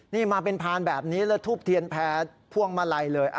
นี่มาเป็นพานแบบนี้แล้วทูบเทียนแพ้พวงมาลัยเลย